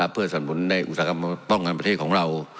เพื่อสนุนในอุตสาหกรรมป้องกันประเทศของเรา